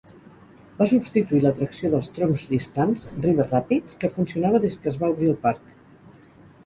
Va substituir l'atracció dels troncs lliscants, River Rapids, que funcionava des que es va obrir el parc.